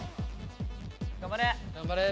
頑張れ！